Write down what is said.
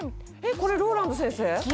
これＲＯＬＡＮＤ先生？